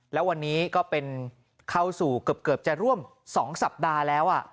แล้ววันนี้ก็เป็นเข้าสู่เกือบจะร่วม๒สัปดาห์แล้ว